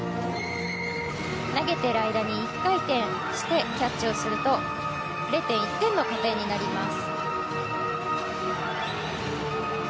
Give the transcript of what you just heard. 投げている間に１回転してキャッチすると０．１点の加点になります。